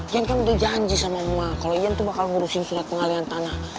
jan kan udah janji sama mama kalo jan tuh bakal ngurusin surat pengalian tanah